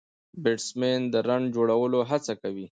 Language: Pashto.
بيټسمېن د رن جوړولو هڅه کوي.